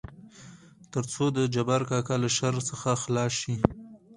تر څو دجبار کاکا له شر څخه خلاص شي.